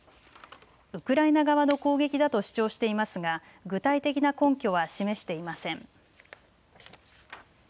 ウクライナ側の攻撃だと主張していますが具体的な根拠は示していません。